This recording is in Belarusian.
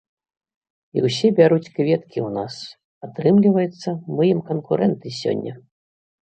І ўсе бяруць кветкі ў нас, атрымліваецца, мы ім канкурэнты сёння.